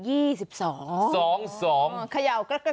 เออเห็นมั้ย